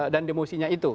dan demosinya itu